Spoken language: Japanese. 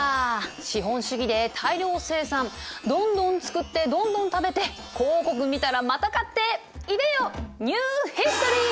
資本主義で大量生産どんどん作ってどんどん食べて広告見たらまた買っていでよニューヒストリー！